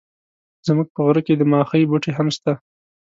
زموږ په غره کي د ماخۍ بوټي هم سته.